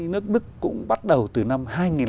nước đức cũng bắt đầu từ năm hai nghìn hai